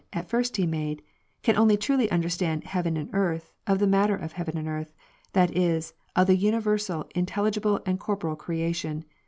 At first He made, can only truly understand heaven and earth, of the matter of heaven and earth, that is, of the universal intelligible and corporeal creation.